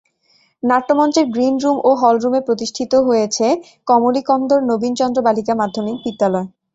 নাট্যমঞ্চের greenroom এবং হলরুমে প্রতিষ্ঠিত হয়েছে কমলিকন্দর নবীন চন্দ্র বালিকা মাধ্যমিক বিদ্যালয়।